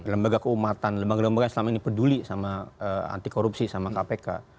lembaga keumatan lembaga lembaga yang selama ini peduli sama anti korupsi sama kpk